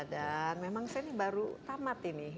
dan memang saya ini baru tamat ini